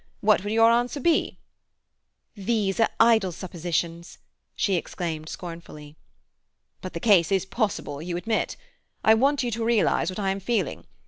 What would your answer be?" "These are idle suppositions," she exclaimed scornfully. "But the case is possible, you must admit. I want you to realize what I am feeling.